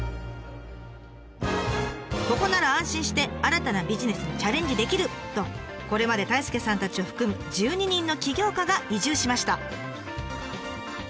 ここなら安心して新たなビジネスにチャレンジできるとこれまで太亮さんたちを含む１２人の起業家が移住しました。